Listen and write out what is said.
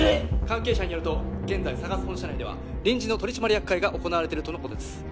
関係者によると現在ＳＡＧＡＳ本社内では臨時の取締役会が行われているとのことです